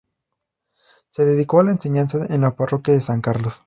Se dedicó a la enseñanza en la Parroquia de San Carlos.